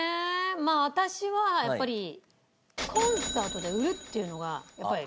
まあ私はやっぱりコンサートで売るっていうのが念頭にあるんで。